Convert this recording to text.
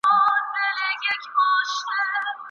مېږه 🐑